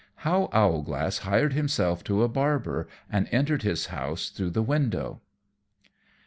_How Owlglass hired himself to a Barber, and entered his House through the Window.